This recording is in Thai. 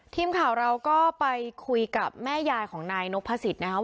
ทีมข่าวเราก็ไปคุยกับแม่ยายของนายนพสิทธิ์นะครับ